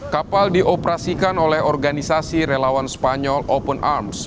kapal dioperasikan oleh organisasi relawan spanyol open arms